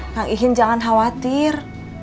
kang ihin jangan khawatir